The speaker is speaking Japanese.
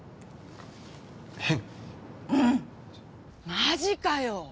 マジかよ！